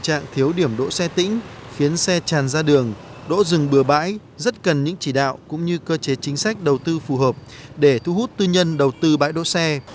trạng thiếu điểm đỗ xe tĩnh khiến xe tràn ra đường đỗ rừng bừa bãi rất cần những chỉ đạo cũng như cơ chế chính sách đầu tư phù hợp để thu hút tư nhân đầu tư bãi đỗ xe